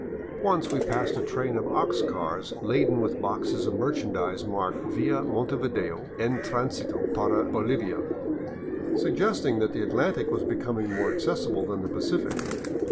Once we passed a train of ox cars laden with boxes of merchandise marked " Via Montevideo en transito para Bolivia,*' suggesting that the Atlantic was becoming more accessible than the Pacific.